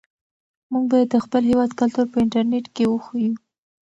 موږ باید د خپل هېواد کلتور په انټرنيټ کې وښیو.